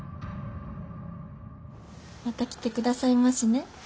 また来て下さいましね。